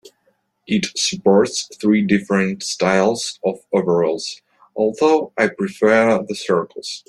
It supports three different styles of overlays, although I prefer the circles.